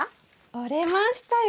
折れましたよ。